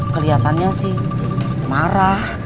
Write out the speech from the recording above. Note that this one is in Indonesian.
kelihatannya sih marah